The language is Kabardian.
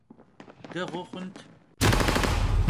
Değue xhunt.